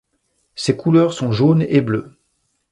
Ses couleurs sont jaune et bleu.